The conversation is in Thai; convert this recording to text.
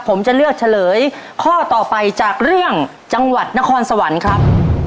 ผมจะเลือกเฉลยข้อต่อไปจากเรื่องจังหวัดนครสวรรค์ครับ